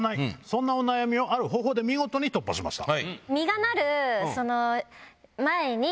そんなお悩みをある方法で見事に突破しました。